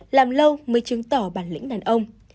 làm lâu mới chứng tỏ bản lĩnh đàn ông